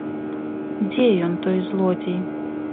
Дзе ён, той злодзей?